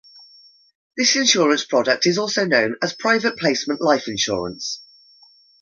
This insurance product is also known as Private placement life insurance.